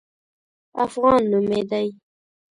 افغان نومېدی.